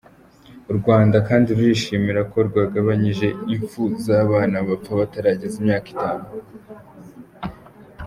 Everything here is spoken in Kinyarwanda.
U Rwanda kandi rurishimira ko rwagabanyije imfu z’abana bapfa batarageza imyaka itanu.